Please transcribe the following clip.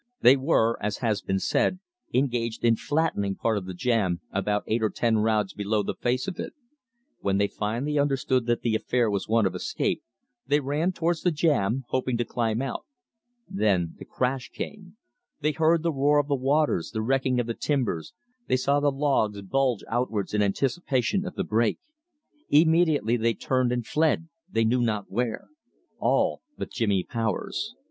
They were, as has been said, engaged in "flattening" part of the jam about eight or ten rods below the face of it. When they finally understood that the affair was one of escape, they ran towards the jam, hoping to climb out. Then the crash came. They heard the roar of the waters, the wrecking of the timbers, they saw the logs bulge outwards in anticipation of the break. Immediately they turned and fled, they knew not where. All but Jimmy Powers.